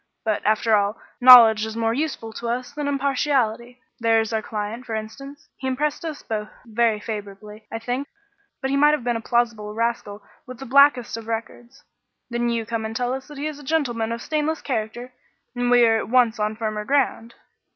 But, after all, knowledge is more useful to us than impartiality. There is our client, for instance. He impressed us both very favourably, I think; but he might have been a plausible rascal with the blackest of records. Then you come and tell us that he is a gentleman of stainless character and we are at once on firmer ground."